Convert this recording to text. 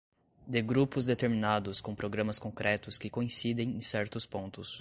de grupos determinados com programas concretos que coincidem em certos pontos